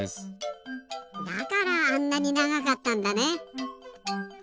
だからあんなにながかったんだね。